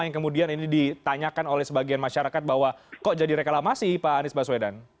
yang kemudian ini ditanyakan oleh sebagian masyarakat bahwa kok jadi reklamasi pak anies baswedan